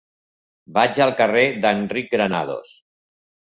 Vaig al carrer d'Enric Granados.